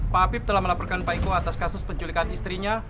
pak habib telah melaporkan pak iko atas kasus penculikan istrinya